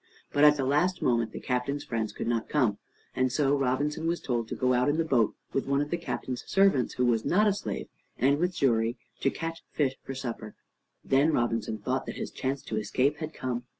But at the last moment the Captain's friends could not come, and so Robinson was told to go out in the boat with one of the Captain's servants who was not a slave, and with Xury, to catch fish for supper. Then Robinson thought that his chance to escape had come.